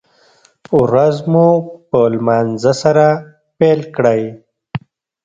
ورځ مو په لمانځه سره پیل کړئ